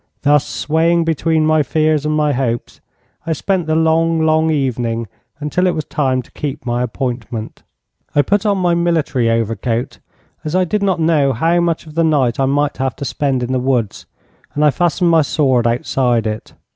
Thus, swaying between my fears and my hopes, I spent the long, long evening until it was time to keep my appointment. I put on my military overcoat, as I did not know how much of the night I might have to spend in the woods, and I fastened my sword outside it.